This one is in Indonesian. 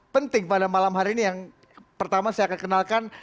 penting pada malam hari ini yang pertama saya akan kenalkan